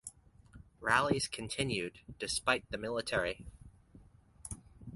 Rallies continued despite the military.